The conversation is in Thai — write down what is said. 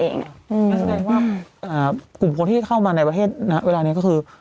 นั่นแสดงว่ากลุ่มคนที่เข้ามาในประเทศณเวลานี้ก็คือ